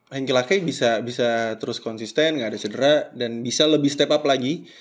henky lakai bisa terus konsisten nggak ada cedera dan bisa lebih step up lagi